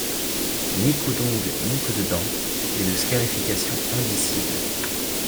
Ni coups d’ongle, ni coups de dents ; une scarification indicible.